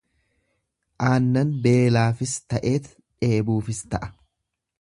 Aannan beelaafis ta'eet dheebuufis ta'a.